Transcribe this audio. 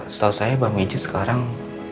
setahu saya bang meji sekarang